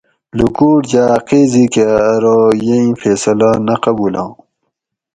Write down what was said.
لوکوٹ جاۤ قیضی کہ ارو یہ ایں فیصلہ نہ قبولاں